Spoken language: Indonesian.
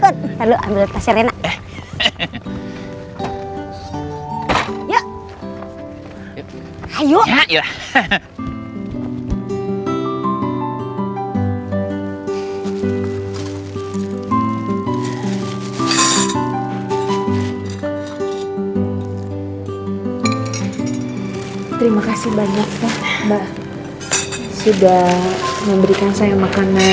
adalah pemberian saya